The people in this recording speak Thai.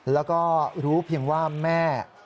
แล้วก็รู้เพียงว่าแม่